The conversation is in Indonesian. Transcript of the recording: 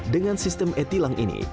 dengan sistem e tilang ini